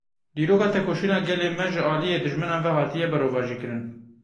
Dîroka tekoşîna gelê me ji aliyê dijminan ve hatiye berovajîkirin.